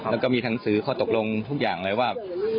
แล้วก็มีหนังสือข้อตกลงทุกอย่างเลยว่า